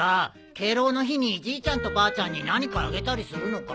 敬老の日にじいちゃんとばあちゃんに何かあげたりするのか？